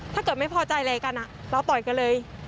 ถ้าเกิดไม่พอใจอะไรกันเราปล่อยกันเลย